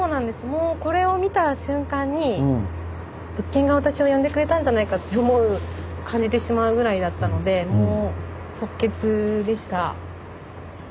もうこれを見た瞬間に物件が私を呼んでくれたんじゃないかって思う感じてしまうぐらいだったのでもう即決でした。